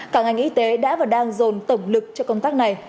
cả ngành y tế đã và đang dồn tổng lực cho công tác này